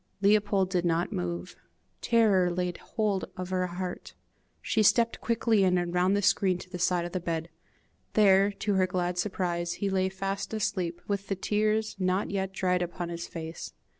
Leopold did not move. Terror laid hold of her heart. She stepped quickly in, and round the screen to the side of the bed. There, to her glad surprise, he lay fast asleep, with the tears not yet dried upon his face.